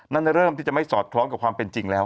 นั่นเริ่มที่จะไม่สอดคล้องกับความเป็นจริงแล้ว